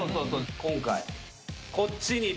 今回。